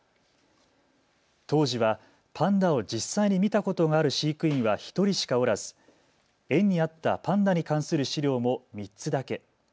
当時はパンダを実際に見たことがある飼育員は１人しかおらず、園にあったパンダに関する資料も３つだけ。